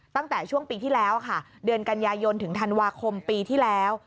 ตั้งแต่ช่วงปีที่แล้วค่ะเดือนกันยายนถึงธันวาคมปีที่แล้ว